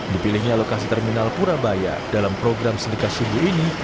dipilihnya lokasi terminal purabaya dalam program sendikat sumbu ini